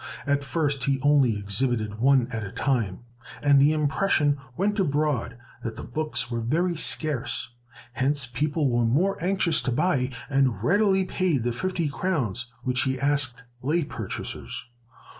At first he only exhibited one at a time, and the impression went abroad that the books were very scarce; hence people were more anxious to buy, and readily paid the fifty crowns which he asked lay purchasers.